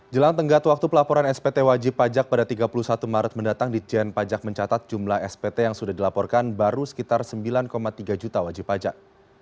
jelang tenggat waktu pelaporan spt wajib pajak pada tiga puluh satu maret mendatang di jen pajak mencatat jumlah spt yang sudah dilaporkan baru sekitar sembilan tiga juta wajib pajak